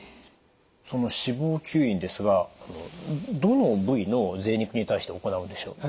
その脂肪吸引ですがどの部位のぜい肉に対して行うんでしょう？